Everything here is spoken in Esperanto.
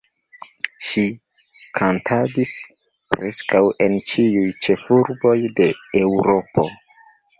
Ŝi kantadis preskaŭ en ĉiuj ĉefurboj de Eŭropo.